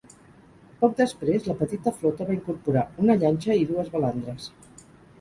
Poc després la petita flota va incorporar una llanxa i dues balandres.